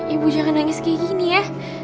ibu jangan nangis kayak gini ya